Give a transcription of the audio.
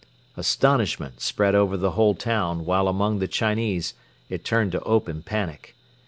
Astonishment spread over the whole town while among the Chinese it turned to open panic.